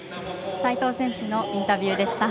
齋藤選手のインタビューでした。